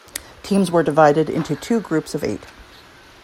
Teams were divided into two groups of eight.